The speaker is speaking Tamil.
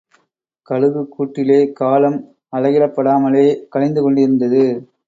கழுகுக் கூட்டிலே, காலம் அலகிடப்படாமலே கழிந்துகொண்டிருந்தது.